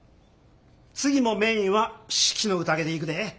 次もメインは「四季の宴」でいくで。